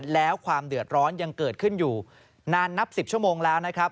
แล้วความเดือดร้อนยังเกิดขึ้นอยู่นานนับ๑๐ชั่วโมงแล้วนะครับ